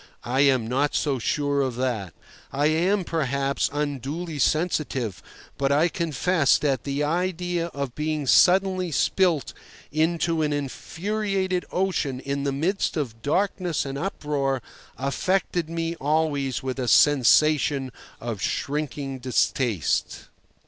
I am not so sure of that. I am, perhaps, unduly sensitive, but I confess that the idea of being suddenly spilt into an infuriated ocean in the midst of darkness and uproar affected me always with a sensation of shrinking distaste.